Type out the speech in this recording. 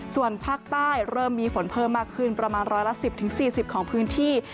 ส่วนภาคใต้เริ่มมีฝนเพิ่มมากขึ้นประมาณร้อยละ๑๐๔๐ของพื้นที่